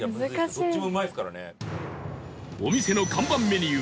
お店の看板メニュー牡蠣